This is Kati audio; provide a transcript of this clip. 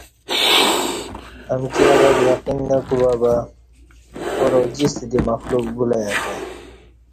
امکی اول یقین نہ کوبہ بہ، کار اوجستہ دی مخلوق بولہ ایہ کہ